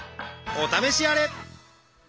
お試しあれ！